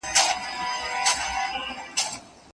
خبر نه وي د بچیو له احواله